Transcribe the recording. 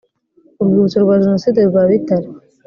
urwibutso rwa jenoside rwa bitare